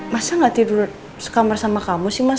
masa gak tidur di kamar sama kamu sih mas